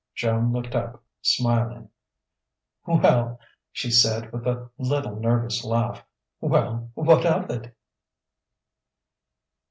Joan looked up, smiling. "Well " she said with a little nervous laugh "Well, what of it?"